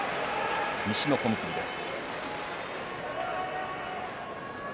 西の小結です。